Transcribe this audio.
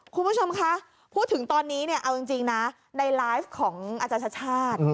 คุณผู้ชมคะพูดถึงตอนนี้เนี่ยเอาจริงนะในไลฟ์ของอาจารย์ชาติชาติ